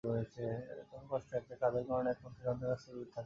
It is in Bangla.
তবে কষ্ট একটাই, কাজের কারণে একমাত্র সন্তানের কাছ থেকে দূরে থাকতে হয়।